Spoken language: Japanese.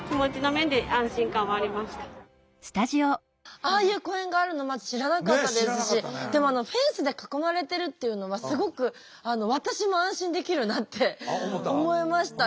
ああいう公園があるのまず知らなかったですしでもフェンスで囲まれてるっていうのはすごく私も安心できるなって思いましたね。